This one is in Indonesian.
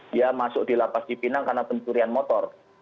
dia masuk di lapas cipinang karena pencurian motor